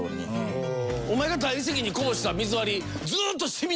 お前が大理石にこぼした水割り。